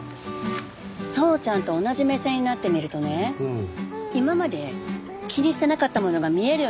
宗ちゃんと同じ目線になってみるとね今まで気にしてなかったものが見えるようになってきて。